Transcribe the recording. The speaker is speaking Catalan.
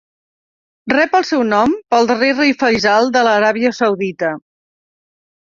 Rep el seu nom pel darrer rei Faisal de l'Aràbia Saudita.